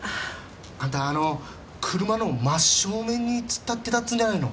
あんたあの車の真正面に突っ立ってたっていうじゃないの。